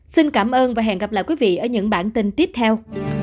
xin cảm ơn và hẹn gặp lại quý vị ở những bản tin tiếp theo